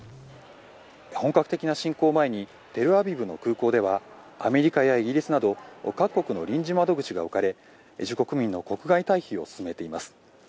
本格的な侵攻を前にテルアビブの空港ではアメリカやイギリスなど各国の臨時窓口が置かれ自国民の国外退避を進めています。